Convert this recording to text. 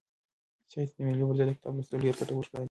سعید ته د مېلې پر ځای د کتاب لوستل ډېر ګټور ښکارېدل.